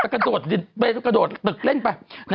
เขาโดดตรึกเล่นไป